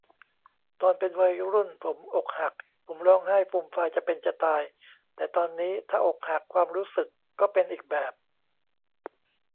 ตอนเป็นวัยรุ่นผมอกหัก ผมร้องไห้ฟูมฟายจะเป็นจะตาย แต่ตอนนี้ถ้าอกหัก ความรู้สึกก็เป็นอีกแบบ